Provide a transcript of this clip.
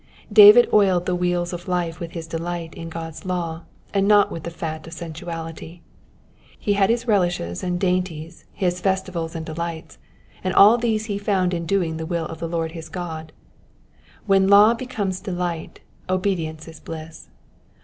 David oiled the wheels of life with his delight in God's law, and not with the fat of sensuality. He had his relishes and dainties, Ins festivals and delights, and all these he found in doing the will of the Lord his God. When law becomes delight, obedience is bliss.